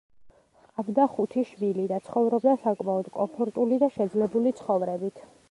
ჰყავდა ხუთი შვილი და ცხოვრობდა საკმაოდ კომფორტული და შეძლებული ცხოვრებით.